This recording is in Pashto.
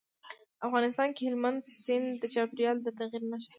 افغانستان کې هلمند سیند د چاپېریال د تغیر نښه ده.